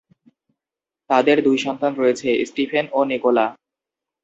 তাঁদের দুই সন্তান রয়েছে- স্টিফেন ও নিকোলা।